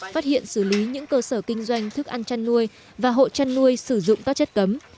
phát hiện xử lý những cơ sở kinh doanh thức ăn chăn nuôi và hộ chăn nuôi sử dụng các chất cấm